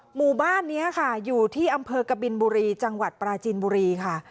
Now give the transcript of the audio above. หมู่บ้านนี้ค่ะอยู่ที่อำเภอกบินบุรีจังหวัดปราจีนบุรีค่ะ